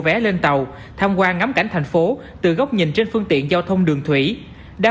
vé lên tàu tham quan ngắm cảnh thành phố từ góc nhìn trên phương tiện giao thông đường thủy đã